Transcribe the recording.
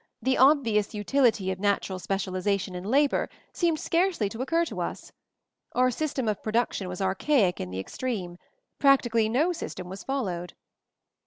The obvious util ity of natural specialization in labor seemed scarcely to occur to us. Our system of pro duction was archaic in the extreme; prac tically no system was followed."